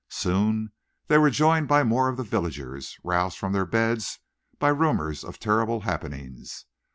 Soon they were joined by more of the villagers, roused from their beds by rumours of terrible happenings.